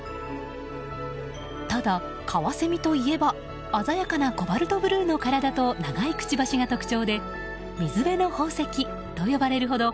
ただ、カワセミといえば鮮やかなコバルトブルーの体と長いくちばしが特徴で水辺の宝石と呼ばれるほど